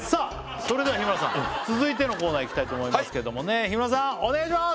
それでは日村さん続いてのコーナーいきたいと思いますけれどもね日村さんお願いします